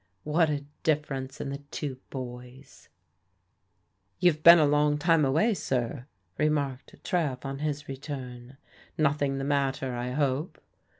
What a difference in the two boys !" You've been a long time away, sir," remarked Trev on his return; " nothing the matter, I hope?